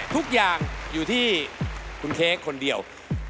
ทุกอย่างอยู่ที่คุณเค้กคนเดียว